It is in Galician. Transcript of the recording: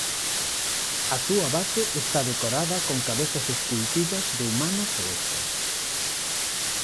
A súa base está decorada con cabezas esculpidas de humanos e bestas.